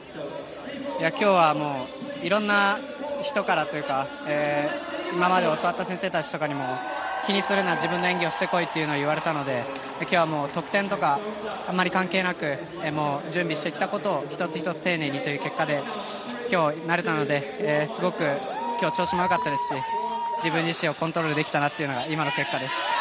今日は色んな人からというか今まで教わった先生たちからも気にするな自分の演技をして来いと言われたので今日は得点とかあまり関係なく準備してきたことを１つ１つ丁寧にという結果で今日、なれたのですごく今日は調子もよかったですし自分自身をコントロールできたなというのが今の結果です。